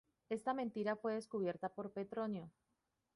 Esta mentira fue descubierta por Petronio.